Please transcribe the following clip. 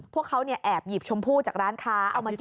พวกเขาแอบหยิบชมพู่จากร้านค้าเอามากิน